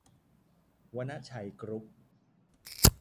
วนชัย กรุ๊ป